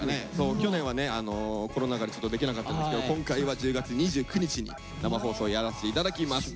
去年はねコロナ禍でちょっとできなかったんですけど今回は１０月２９日に生放送をやらせて頂きます。